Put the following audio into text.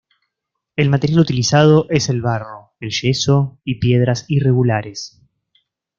El material utilizado es el barro, el yeso y piedras irregulares.